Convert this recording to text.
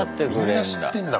みんな知ってんだ